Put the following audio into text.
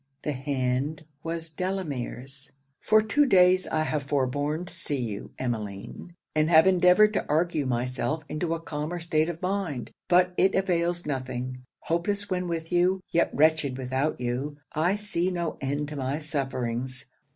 The hand was Delamere's. 'For two days I have forborne to see you, Emmeline, and have endeavoured to argue myself into a calmer state of mind; but it avails nothing; hopeless when with you, yet wretched without you, I see no end to my sufferings.